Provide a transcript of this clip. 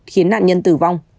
khiến nạn nhân tử vong